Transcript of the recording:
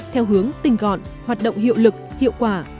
theo hướng tình gọn hoạt động hiệu lực hiệu quả